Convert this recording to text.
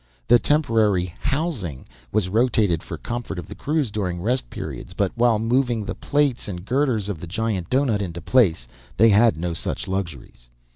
The temporary "housing" was rotated for comfort of the crews during rest periods, but while moving the plates and girders of the giant doughnut into place, they had no such luxuries.